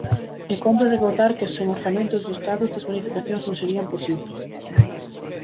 E cómpre recordar que sen orzamentos do Estado estas bonificacións non serían posibles.